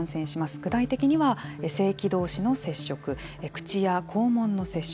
具体的には性器同士の接触口や肛門の接触。